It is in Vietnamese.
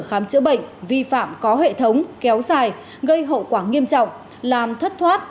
khám chữa bệnh vi phạm có hệ thống kéo dài gây hậu quả nghiêm trọng làm thất thoát